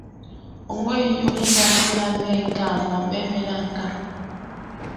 o nweghị onye ga-asị ya mee nke a maọbụ emela nke a